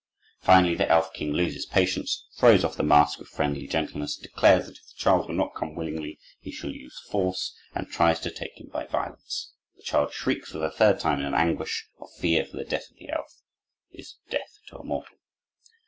Finally the Elf King loses patience, throws off the mask of friendly gentleness, declares that if the child will not come willingly he shall use force, and tries to take him by violence. The child shrieks for the third time in an anguish of fear, for the touch of the elf is death to a mortal.